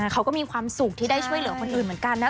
เขาก็มีความสุขที่ได้ช่วยเหลือคนอื่นเหมือนกันนะ